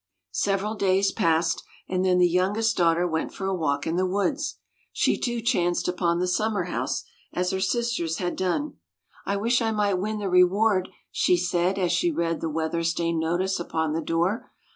Several days passed, and then the young est daughter went for a walk in the woods. She, too, chanced upon the summer house, as her sisters had done. " I wish I might win the reward," she said, as she read the weather stained notice upon the door.